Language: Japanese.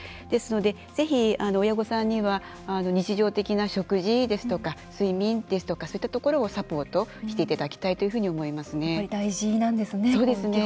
ですので、ぜひ親御さんには日常的な食事ですとか睡眠ですとかそういったところをサポートしていただきたいと思いますね。